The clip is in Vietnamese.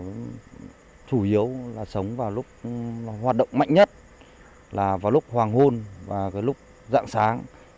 chủ yếu là sống vào lúc hoạt động mạnh nhất là vào lúc hoàng hôn và lúc dạng sáng